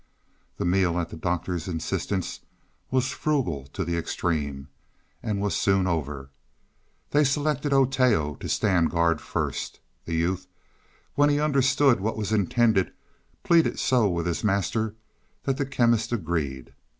The meal, at the Doctor's insistence, was frugal to the extreme, and was soon over. They selected Oteo to stand guard first. The youth, when he understood what was intended, pleaded so with his master that the Chemist agreed.